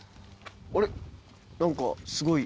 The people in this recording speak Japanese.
あれ？